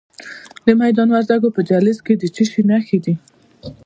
د میدان وردګو په جلریز کې د څه شي نښې دي؟